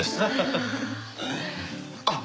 あっ。